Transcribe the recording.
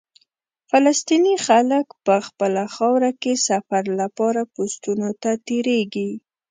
فلسطیني خلک په خپله خاوره کې سفر لپاره پوسټونو ته تېرېږي.